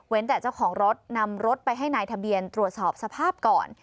แต่เจ้าของรถนำรถไปให้นายทะเบียนตรวจสอบสภาพก่อน